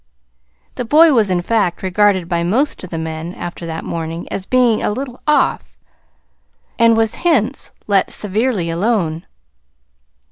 The boy was, in fact, regarded by most of the men, after that morning, as being "a little off"; and was hence let severely alone.